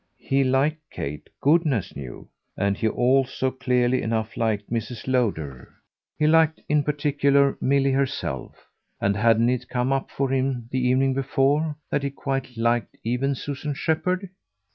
He liked Kate, goodness knew, and he also clearly enough liked Mrs. Lowder. He liked in particular Milly herself; and hadn't it come up for him the evening before that he quite liked even Susan Shepherd?